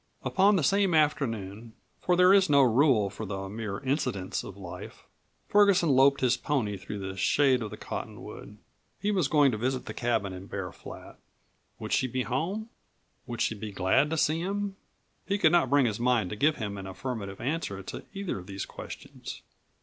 Upon the same afternoon for there is no rule for the mere incidents of life Ferguson loped his pony through the shade of the cottonwood. He was going to visit the cabin in Bear Flat. Would she be at home? Would she be glad to see him? He could not bring his mind to give him an affirmative answer to either of these questions.